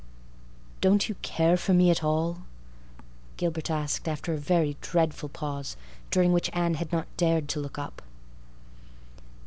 "Don't you care for me at all?" Gilbert asked after a very dreadful pause, during which Anne had not dared to look up.